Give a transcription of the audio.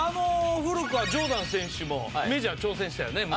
古くはジョーダン選手もメジャー挑戦したよね昔。